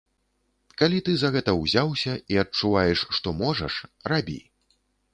Калі ты за гэта ўзяўся і адчуваеш, што можаш, рабі.